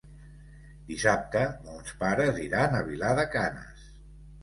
Dissabte mons pares iran a Vilar de Canes.